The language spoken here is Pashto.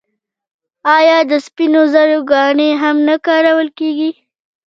آیا د سپینو زرو ګاڼې هم نه کارول کیږي؟